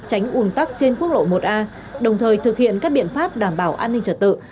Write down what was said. tránh ủn tắc trên quốc lộ một a đồng thời thực hiện các biện pháp đảm bảo an ninh trật tự